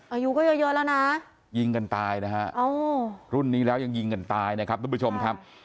อายุก็เยอะเยอะแล้วนะยิงกันตายนะฮะรุ่นนี้แล้วยังยิงกันตายนะครับทุกผู้ชมครับ